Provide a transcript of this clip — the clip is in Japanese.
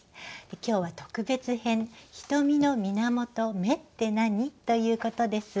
今日は特別編「ひとみのみなもと『目』って何？」ということです。